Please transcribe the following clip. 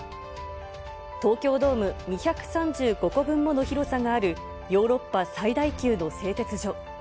東京ドーム２３５個分もの広さがあるヨーロッパ最大級の製鉄所。